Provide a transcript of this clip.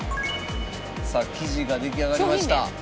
さあ生地が出来上がりました。